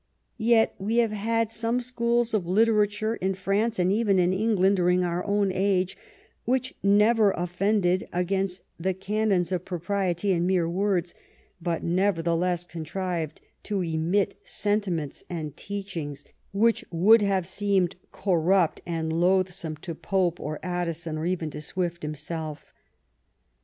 Yet we have had some schools of literature in France, and even in Eng land, during our own age which never offended against the canons of propriety in mere words, but neverthe less contrived to emit sentiments and teachings which would have/ seemed corrupt and loathsome to Pope, or Addison, or even to Swift himself.